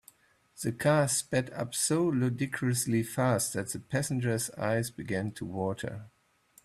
The car sped up so ludicrously fast that the passengers eyes began to water.